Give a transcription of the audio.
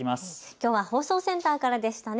きょうは放送センターからでしたね。